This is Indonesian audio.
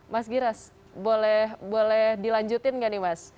mas giras boleh dilanjutin nggak nih mas